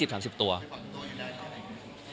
ประมาณ๒๐ตัวยังได้หรืออะไร